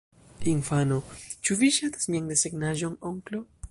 Infano: "Ĉu vi ŝatas mian desegnaĵon, onklo?"